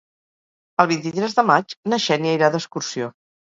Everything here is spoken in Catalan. El vint-i-tres de maig na Xènia irà d'excursió.